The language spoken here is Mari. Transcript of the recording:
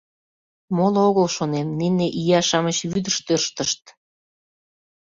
Моло огыл, шонем, нине ия-шамыч вӱдыш тӧрштышт.